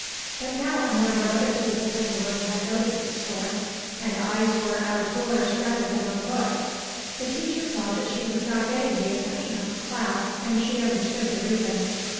But now a number of other pupils in the room had noticed the storm, and eyes were out of doors rather than on books. The teacher saw that she was not getting the attention of her class, and she understood the reason.